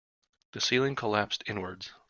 The ceiling collapsed inwards.